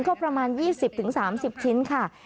ก็ประมาณ๒๐๓๐ชิ้นค่ะ